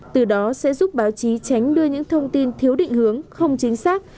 từ đó sẽ giúp báo chí tránh đưa những thông tin thiếu định hướng không chính xác